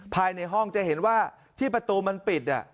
ภายในห้องจะเห็นว่าที่ประตูมันปิด